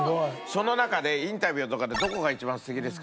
その中でインタビューとかでどこが一番好きですか？